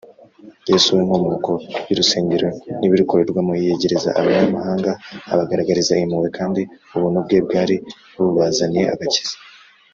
Yesu we nkomoko y’Urusengero n’ibirukorerwamo, yiyegereza Abanyamahanga abagaragariza impuhwe, kandi ubuntu bwe bwari bubazaniye agakiza